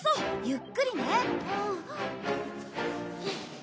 ゆっくりね。